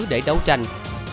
để đấu tranh